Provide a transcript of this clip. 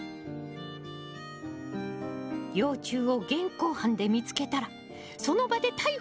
幼虫を現行犯で見つけたらその場で逮捕！